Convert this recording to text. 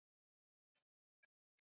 Maliza kazi yako alafu tunaweza kuongea